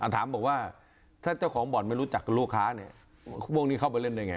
ถามว่าถ้าเจ้าของบอลไม่รู้จักลูกค้าวงการนี้เข้าไปเล่นได้ไง